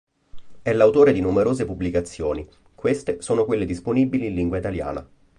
È l'autore di numerose pubblicazioni, queste sono quelle disponibili in lingua italiana.